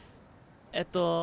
えっと。